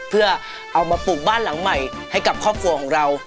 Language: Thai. เพื่อเอามาปลูกบ้านหลังใหม่ให้กับครอบครัวของเรา